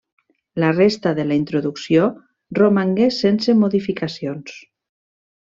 La resta de la introducció romangué sense modificacions.